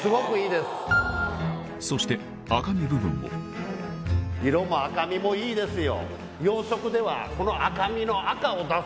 そして赤身部分も色も赤身もいいですよ。